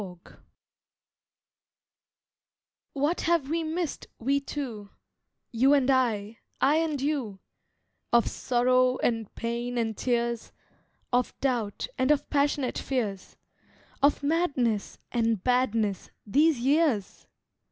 WE TWO What have we missed, we two— You and I—I and you— Of sorrow, and pain, and tears, Of doubt, and of passionate fears, Of madness, and badness, these years!